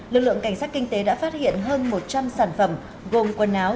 lực lượng cảnh sát kinh tế đã phát hiện hơn một trăm linh sản phẩm gồm quần áo